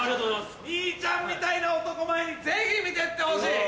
兄ちゃんみたいな男前にぜひ見てってほしい！